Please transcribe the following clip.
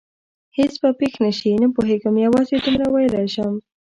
هېڅ به پېښ نه شي؟ نه پوهېږم، یوازې دومره ویلای شم.